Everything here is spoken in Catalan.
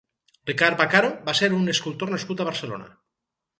Ricard Vaccaro va ser un escultor nascut a Barcelona.